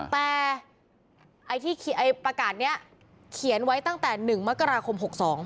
แต่ไอที่ไอประกาศเนี้ยเขียนไว้ตั้งแต่หนึ่งมะกราคมหกสอง